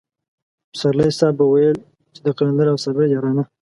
پسرلی صاحب به ويل چې د قلندر او صابر يارانه.